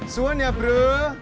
suan ya bro